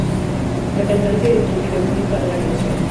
La cantante edito un vídeo clip para la canción.